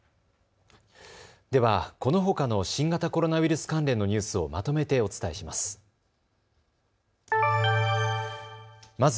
では、このほかの新型コロナウイルス関連のニュースをまとめてお伝えします。